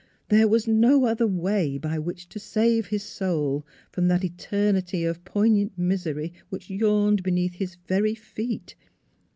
There was no other way by which to save his soul from that eternity of poignant misery which yawned beneath his very feet.